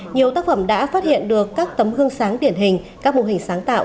nhiều tác phẩm đã phát hiện được các tấm gương sáng điển hình các mô hình sáng tạo